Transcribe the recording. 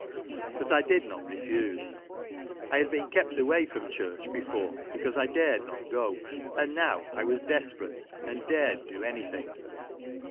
But I did not refuse. I had been kept away from church before because I dared not go ; and now I was desperate and dared do anything.